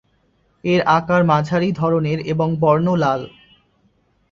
এর আকার মাঝারি ধরনের এবং বর্ণ লাল।